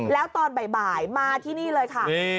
แล้วตอนบ่ายมาที่นี่เลยค่ะ